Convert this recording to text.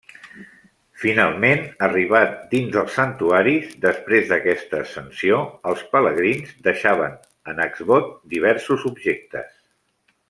Finalment, arribats dins dels santuaris després d'aquesta ascensió, els pelegrins deixaven en exvot diversos objectes.